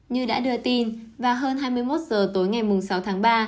như đã đưa tin vào hơn hai mươi một h tối ngày sáu tháng ba